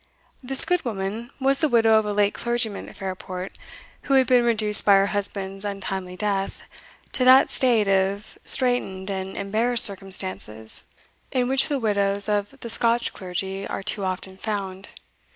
This good woman was the widow of a late clergyman at Fairport, who had been reduced by her husband's untimely death, to that state of straitened and embarrassed circumstances in which the widows of the Scotch clergy are too often found.